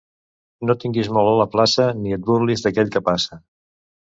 No estiguis molt a la plaça, ni et burlis d'aquell que passa.